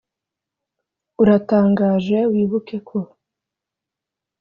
uratangaje. wibuke ko.